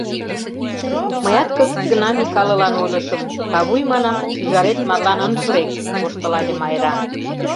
— Мыят кызыт гына Микалылан ойлышым, кавуй, манам, шӱжарет марлан ынже лек, — воштылале Майра.